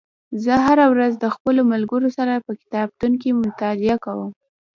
زه هره ورځ د خپلو ملګرو سره په کتابتون کې مطالعه کوم